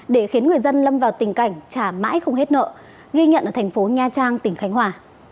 để khiến người dân lâm vào tình cảnh trả mãi không hết nợ ghi nhận ở thành phố nha trang tỉnh khánh hòa